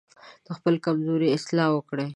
د خپلو کمزورۍ اصلاح وکړئ.